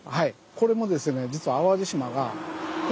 これもですねえ。